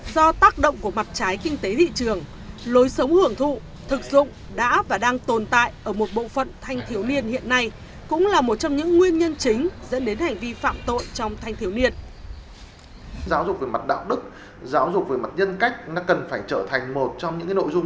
do tác động của mặt trái kinh tế thị trường lối sống hưởng thụ thực dụng đã và đang tồn tại ở một bộ phận thanh thiếu niên hiện nay cũng là một trong những nguyên nhân chính dẫn đến hành vi phạm tội trong thanh thiếu niên